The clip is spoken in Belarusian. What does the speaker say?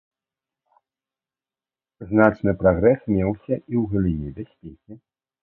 Значны прагрэс меўся і ў галіне бяспекі.